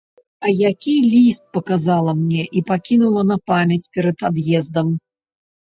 А які ліст паказала мне і пакінула на памяць перад ад'ездам!